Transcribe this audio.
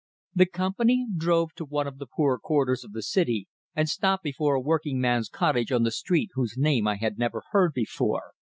The company drove to one of the poorer quarters of the city, and stopped before a workingman's cottage on a street whose name I had never heard before.